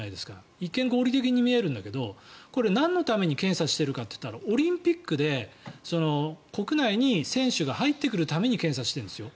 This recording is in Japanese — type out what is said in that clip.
一見、合理的に見えるんだけどこれ、なんのために検査をしているかというとオリンピックで国内に選手が入ってくるために検査をしているんですよ。